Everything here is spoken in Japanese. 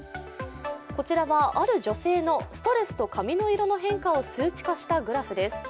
こちらは、ある女性のストレスと髪の色の変化を数値化したグラフです。